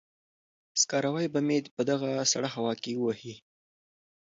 سکاروی به مې په دغه سړه هوا کې ووهي.